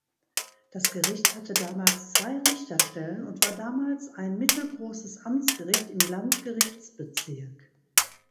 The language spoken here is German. Das Gericht hatte damals zwei Richterstellen und war damals ein mittelgroßes Amtsgericht im Landgerichtsbezirk.